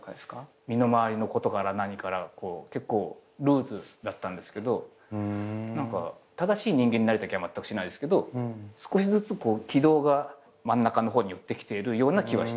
身の回りのことから何から結構ルーズだったんですけど正しい人間になれた気はまったくしないですけど少しずつ軌道が真ん中の方に寄ってきているような気はしてます。